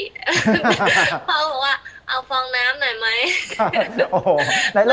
เขาบอกว่าเอาฟองน้ำหน่อยไหม